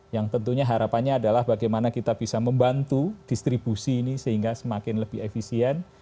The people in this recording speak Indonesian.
yang tentunya harapannya adalah bagaimana kita bisa membantu distribusi ini sehingga semakin lebih efisien